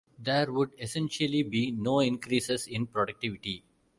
There would essentially be no increases in productivity.